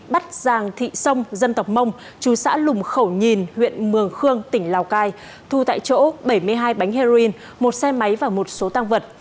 bắt giàng thị sông dân tộc mông chú xã lùng khẩu nhìn huyện mường khương tỉnh lào cai thu tại chỗ bảy mươi hai bánh heroin một xe máy và một số tăng vật